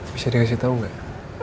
bisa dikasih tau gak